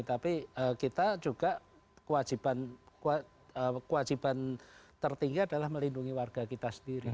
tapi kita juga kewajiban tertinggi adalah melindungi warga kita sendiri